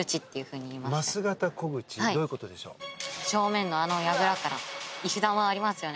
正面のあの櫓から石挟間ありますよね